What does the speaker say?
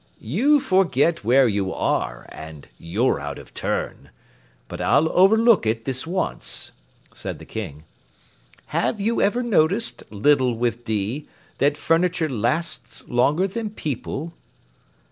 "You forget where you are, and you're out of turn. But I'll overlook it this once," said the King. "Have you ever noticed, Little With D, that furniture lasts longer than people?"